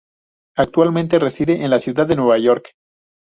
Actualmente reside en Ciudad de Nueva York.